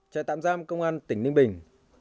trại tạm giam công an tỉnh ninh bình